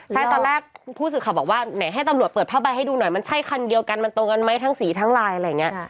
ใช่ตอนแรกผู้สื่อข่าวบอกว่าไหนให้ตำรวจเปิดผ้าใบให้ดูหน่อยมันใช่คันเดียวกันมันตรงกันไหมทั้งสีทั้งลายอะไรอย่างนี้